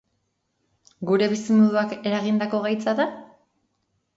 Gure bizimoduak eragindako gaitza da?